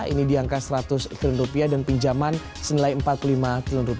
ini di angka rp seratus triliun dan pinjaman senilai rp empat puluh lima triliun